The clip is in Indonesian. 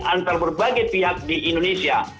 antar berbagai pihak di indonesia